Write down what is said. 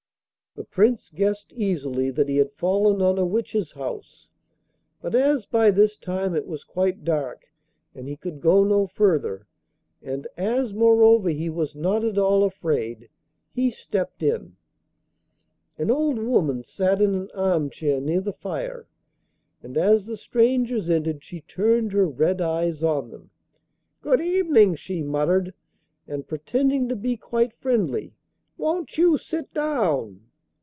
The Prince guessed easily that he had fallen on a witch's house, but as by this time it was quite dark and he could go no further, and as moreover he was not at all afraid, he stepped in. An old woman sat in an armchair near the fire, and as the strangers entered she turned her red eyes on them. 'Good evening,' she muttered, and pretending to be quite friendly. 'Won't you sit down?